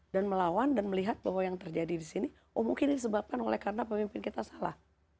dan melawan dan melihat bahwa yang terjadi disini mungkin disebabkan oleh karena pemimpin kita salah